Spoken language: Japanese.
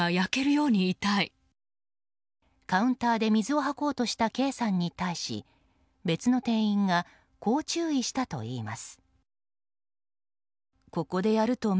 カウンターで水を吐こうとしたＫさんに対し別の店員がこう注意したといいます。